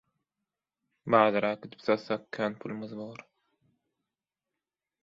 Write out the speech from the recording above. Bazara äkidip satsak, kän pulumyz bor.